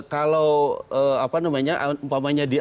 kalau apa namanya